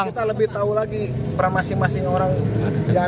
ini yang dibawa tersangkanya